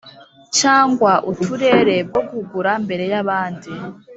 cyangwa Uturere bwo kugura mbere y abandi